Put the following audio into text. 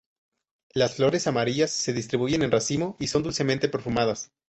Las flores amarillas se distribuyen en racimo y son dulcemente perfumadas.